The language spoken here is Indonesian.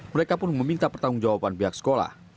mereka pun meminta pertanggung jawaban pihak sekolah